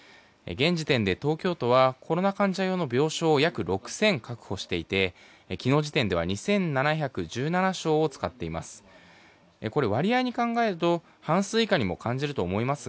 現時点で東京都はコロナ患者用の病床を約６０００確保していて昨日時点では２７１７床を使っています。